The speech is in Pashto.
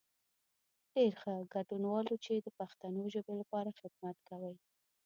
ډېر ښه، ګډنوالو چې د پښتو ژبې لپاره خدمت کوئ.